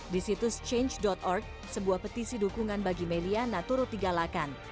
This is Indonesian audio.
di change org sebuah petisi dukungan bagi may liana turut digalakan